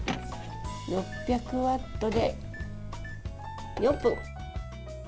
６００ワットで４分。